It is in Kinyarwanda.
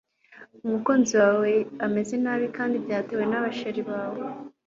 umukunziwawe ameze nabi kandi byatewe n'abasheri bawe